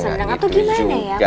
ngerasa aku seneng atau gimana ya